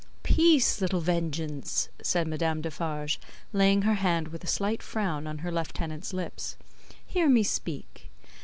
"Peace, little Vengeance," said Madame Defarge, laying her hand with a slight frown on her lieutenant's lips, "hear me speak.